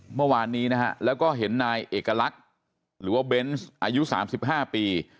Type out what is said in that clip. เมื่อวานนี้นะฮะแล้วก็เห็นนายเอกลักษณ์หรือว่าเบนส์อายุ๓๕ปี